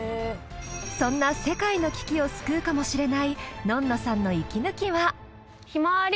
そんな世界の危機を救うかもしれないのんのさんの息抜きは。